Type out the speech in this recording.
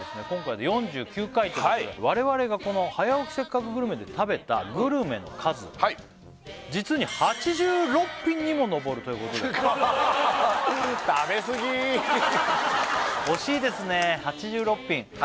今回で４９回ということで我々がこの「早起きせっかくグルメ！！」で食べたグルメの数実に８６品にも上るということですごい！